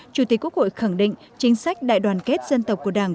chủ tịch quốc hội khẳng định chính sách đại đoàn kết dân tộc của đảng